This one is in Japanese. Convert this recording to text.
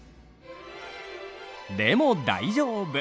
でも大丈夫。